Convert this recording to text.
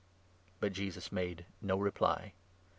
" But Jesus made no reply.